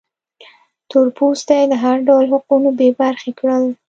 تور پوستي له هر ډول حقونو بې برخې کړل.